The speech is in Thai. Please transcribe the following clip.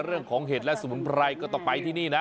แต่เรื่องของเห็ดและสมุนไพร์ก็ต้องไปที่นี่นะ